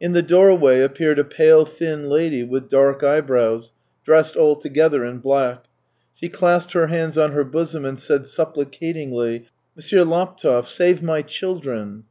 In the doorway appeared a pale, thin lady with dark eyebrows, dressed altogether in black. She clasped her hands on her bosom and said supplicatingly: 292 THE TALES OF TCHEHOV " M. Laptev, save my children